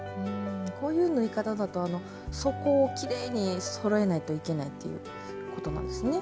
こういう縫い方だとあの底をきれいにそろえないといけないっていうことなんですね。